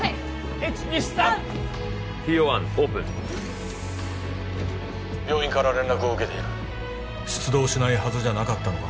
１オープン病院から連絡を受けている出動しないはずじゃなかったのか？